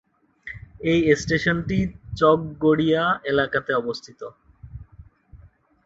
এই স্টেশনটি চক গড়িয়া এলাকাতে অবস্থিত।